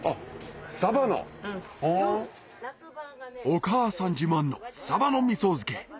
お母さん自慢のサバのみそ漬け